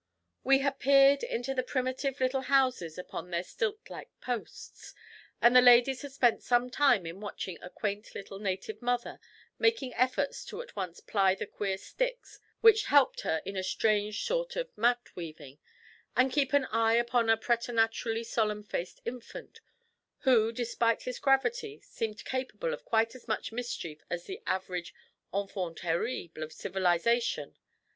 We had peered into the primitive little houses upon their stilt like posts, and the ladies had spent some time in watching a quaint little native mother making efforts to at once ply the queer sticks which helped her in a strange sort of mat weaving, and keep an eye upon a preternaturally solemn faced infant, who, despite his gravity, seemed capable of quite as much mischief as the average enfant terrible of civilization.